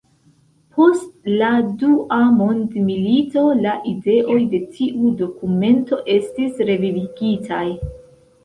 Post la dua mondmilito la ideoj de tiu dokumento estis revivigitaj.